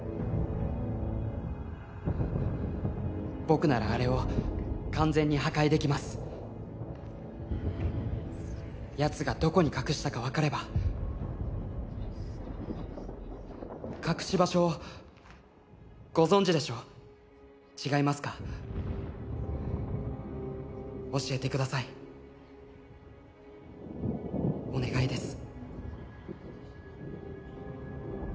僕ならあれを完全に破壊できますやつがどこに隠したか分かれば隠し場所をご存じでしょ違いますか教えてくださいお願いです